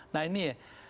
nah ini ya